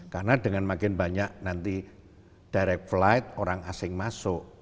karena dengan makin banyak nanti direct flight orang asing masuk